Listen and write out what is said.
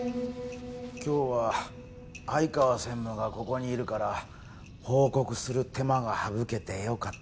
今日は相川専務がここにいるから報告する手間が省けてよかったな。